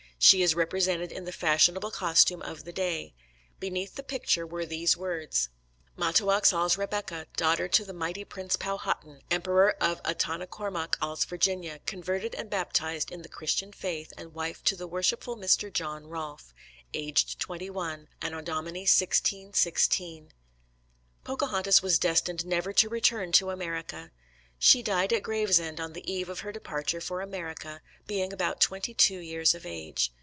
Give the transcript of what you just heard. She is represented in the fashionable costume of the day. Beneath the picture were these words: Matoaks als Rebecka, daughter to the mighty Prince Powhatan, Emperor of Attanough kornouck als Virginia, converted and baptised in the Christian faith, and wife to the worshipful Mr. John Rolfe. Aged 21. Anno Domini 1616. Pocahontas was destined never to return to America. She died at Gravesend on the eve of her departure for America, being about twenty two years of age.